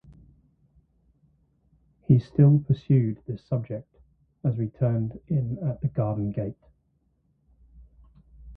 He still pursued this subject as we turned in at the garden-gate.